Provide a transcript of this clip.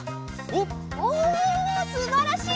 おおすばらしい！